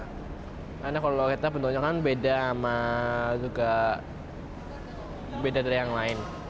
karena kalau loketnya bentuknya kan beda sama juga beda dari yang lain